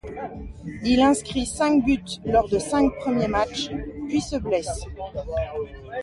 Il inscrit cinq buts lors de cinq premiers matchs, puis se blesse.